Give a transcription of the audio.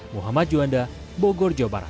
muhammad juanda bogor jawa barat